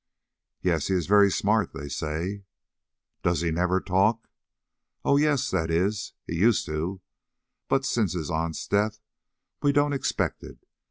"Yes, he is very smart, they say." "Does he never talk?" "Oh, yes; that is, he used to; but, since his aunt's death, we don't expect it.